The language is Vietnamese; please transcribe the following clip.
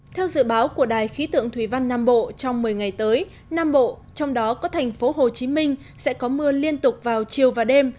theo dự báo của đài khí tượng thủy văn nam bộ trong một mươi ngày tới nam bộ trong đó có thành phố hồ chí minh sẽ có mưa liên tục vào chiều và đêm